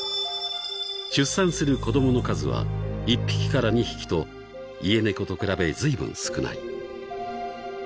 ［出産する子供の数は１匹から２匹とイエネコと比べずいぶん少ない］